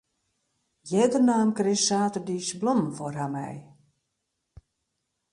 Earder naam Chris saterdeis blommen foar har mei.